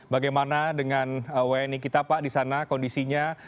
bagaimana dengan wni kita pak di sana kondisinya